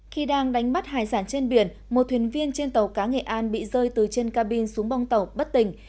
khi đang đánh bắt hải sản trên biển một thuyền viên trên tàu cá nghệ an bị rơi từ trên cabin xuống bong tàu bất tỉnh